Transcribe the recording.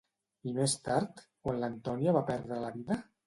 I més tard, quan l'Antonia va perdre la vida?